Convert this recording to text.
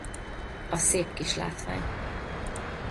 A Szép kis látvány!